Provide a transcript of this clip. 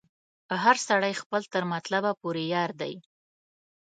هر سړی خپل تر مطلب پوري یار دی